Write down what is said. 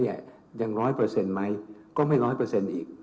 ยัง๑๐๐ไหมก็ไม่๑๐๐อีก